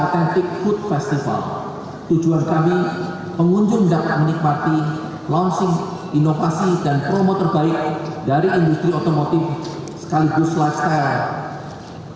tujuan kami pengunjung dapat menikmati launching inovasi dan promo terbaik dari industri otomotif sekaligus lifestyle